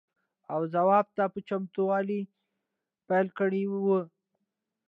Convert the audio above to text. او ځواب ته په چتموالي پیل کړی وي.